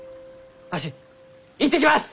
わし行ってきます！